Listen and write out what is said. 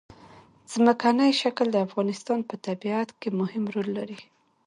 ځمکنی شکل د افغانستان په طبیعت کې مهم رول لري.